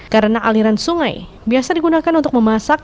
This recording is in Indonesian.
karena aliran sungai biasa digunakan untuk memasak